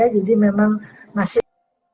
jadi memang masih